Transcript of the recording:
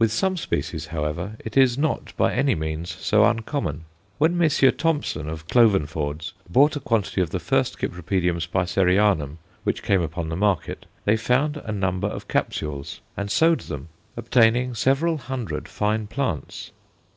With some species, however, it is not by any means so uncommon. When Messrs. Thompson, of Clovenfords, bought a quantity of the first Cyp. Spicerianum which came upon the market, they found a number of capsules, and sowed them, obtaining several hundred fine plants.